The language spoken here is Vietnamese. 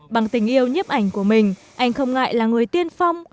bằng tình yêu nhếp ảnh của mình anh không ngại là người tiên phong